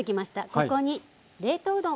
ここに冷凍うどん。